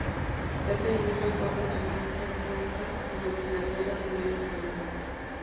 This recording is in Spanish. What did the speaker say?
Pepe Luis recuerda su infancia en Cuenca durante la Guerra Civil Española